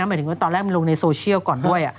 หมายถึงว่าตอนแรกมันลงในโซเชียลก่อนด้วย